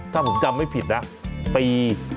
ถ้าผมจำไม่ผิดนะปี